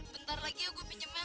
bentar lagi ya gue pinjemnya